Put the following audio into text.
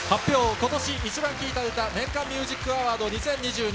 今年イチバン聴いた歌年間ミュージックアワード２０２２。